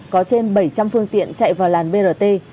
có trên bảy trăm linh phương tiện chạy vào làn brt